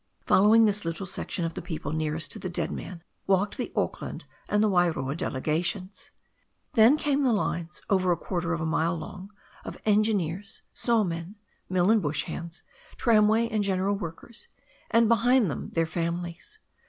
Following this little section of the people nearest to the dead man walked the Auckland and the Wairoa delega tions. Then came the lines, over a quarter of a mile long, of engineers, saw men, mill and bush hands, tramway and general workers, and behind them their families.